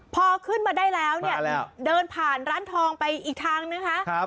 พอขึ้นมาได้แล้วเนี่ยเดินผ่านร้านทองไปอีกทางนะคะ